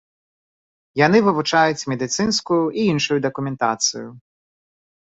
Яны вывучаюць медыцынскую і іншую дакументацыю.